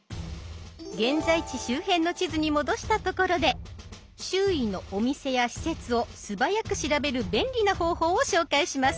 現在地周辺の地図に戻したところで周囲のお店や施設をすばやく調べる便利な方法を紹介します。